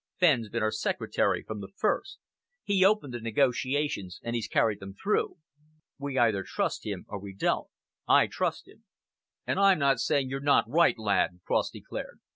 Fenn's been our secretary from the first. He opened the negotiations, and he's carried them through. We either trust him, or we don't. I trust him." "And I'm not saying you're not right, lad." Cross declared.